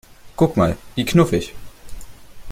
Guck mal, wie knuffig!